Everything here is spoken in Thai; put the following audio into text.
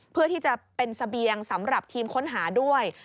เพื่อที่จะเป็นเสบียงสำหรับทีมค้นหาด้วย